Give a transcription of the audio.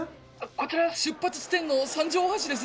こちら出発地点の三条大橋です。